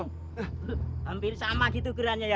hampir sama gitu gerannya ya